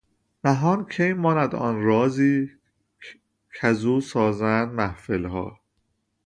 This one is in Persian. نهان کی ماند آن رازی کز او سازند محفلها